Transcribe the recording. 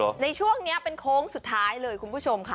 ในช่วงนี้เป็นโค้งสุดท้ายเลยคุณผู้ชมค่ะ